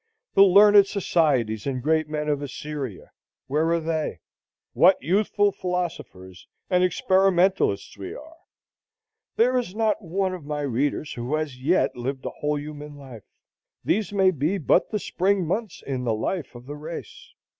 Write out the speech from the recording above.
The learned societies and great men of Assyria,—where are they? What youthful philosophers and experimentalists we are! There is not one of my readers who has yet lived a whole human life. These may be but the spring months in the life of the race.